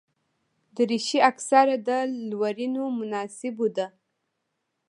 دریشي اکثره د لورینو مناسبو ده.